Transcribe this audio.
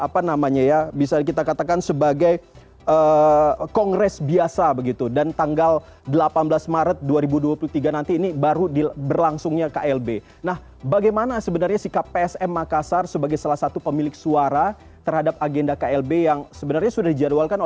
pembangunan pembangunan pembangunan